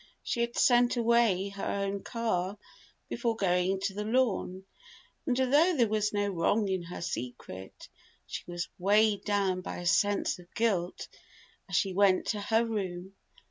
She had sent away her own car, before going to the Lorne, and though there was no wrong in her secret, she was weighed down by a sense of guilt as she went to her room.